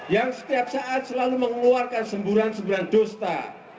yang setiap saat selalu mengeluarkan semburan semburan dusta